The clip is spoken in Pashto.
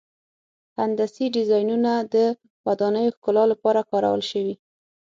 هندسي ډیزاینونه د ودانیو ښکلا لپاره کارول شوي.